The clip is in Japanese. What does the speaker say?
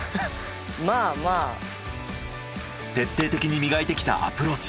徹底的に磨いてきたアプローチ。